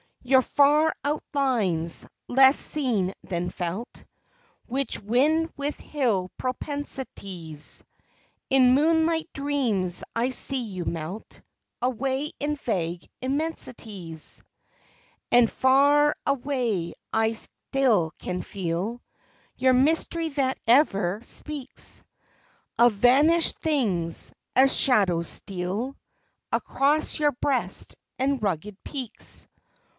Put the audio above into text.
Your far outlines, less seen than felt, Which wind with hill propensities, In moonlight dreams I see you melt Away in vague immensities. And, far away, I still can feel Your mystery that ever speaks Of vanished things, as shadows steal Across your breast and rugged peaks.